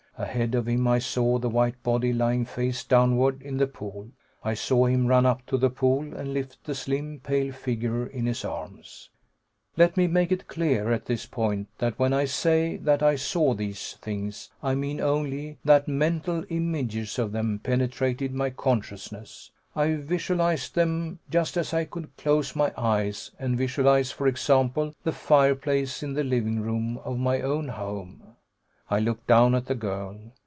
Ahead of him I saw the white body lying face downward in the pool. I saw him run up to the pool and lift the slim, pale figure in his arms. Let me make it clear, at this point, that when I say that I saw these things, I mean only that mental images of them penetrated my consciousness. I visualized them just as I could close my eyes and visualize, for example, the fireplace in the living room of my own home. I looked down at the girl.